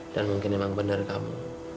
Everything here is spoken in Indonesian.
dan mungkin emang bener kamu